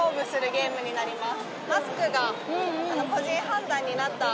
ゲームになります。